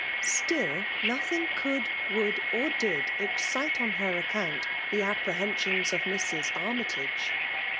Still, nothing could, would, or did excite on her account the apprehensions of Mrs. Aivny tage.